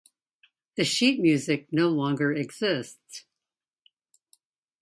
The sheet music no longer exists.